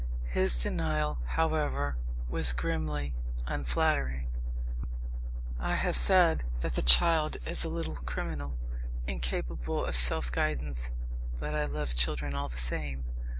His denial, however, was grimly unflattering: I have said that the child is a little criminal, incapable of self guidance, but I love children all the same.